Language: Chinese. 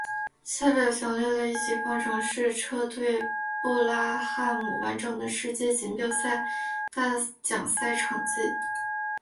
下表详列了一级方程式车队布拉汉姆完整的世界锦标赛大奖赛成绩。